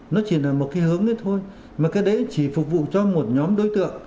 nó chỉ là một cái hướng ấy thôi mà cái đấy chỉ phục vụ cho một nhóm đối tượng